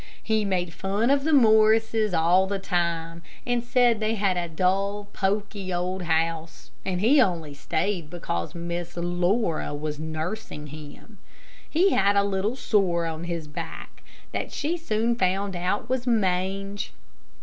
He made fun of the Morrises all the time, and said they had a dull, poky, old house, and he only stayed because Miss Laura was nursing him. He had a little sore on his back that she soon found out was mange.